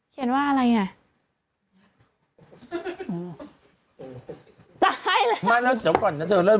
โชว์เลยนะเนี่ย